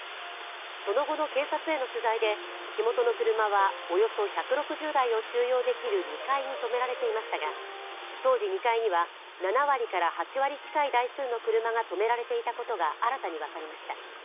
その後の警察への取材で、火元の車はおよそ１６０台を収容できる２階に止められていましたが当時２階には７割から８割近い台数の車が止められていたことが家新たに分かりました。